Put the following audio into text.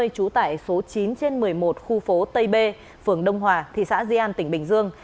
trú tại số chín trên một mươi một khu phố tây b phường đông hòa thị xã di an tỉnh bình dương